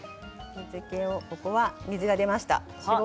ここは水が出ました。